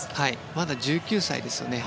まだ１９歳ですよね。